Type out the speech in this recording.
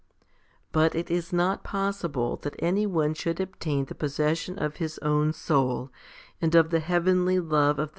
4 10. But it is not possible that any one should obtain the possession of his own soul, and of the heavenly love of the 1 i Cor.